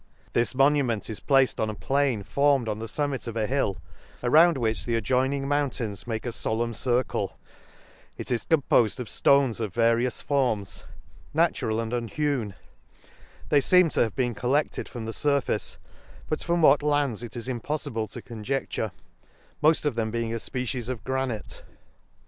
— This monument is placed on a plain, formed on the fummit of a hill, around which the adjoining mountains make a folemn circle; — it is compofed of {tones of various forms, natural and unhewn j they feemed to have been collected from the furface, but from what lands it is impoiTible to conjecture, mod of them being a fpecies of granite.